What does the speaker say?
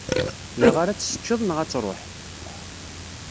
Da ara tt-teččeḍ neɣ ad tṛuḥ?